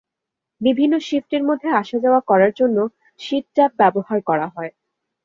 বিভিন্ন শিটের মধ্যে আসা-যাওয়া করার জন্য শিট ট্যাব ব্যবহার করা হয়।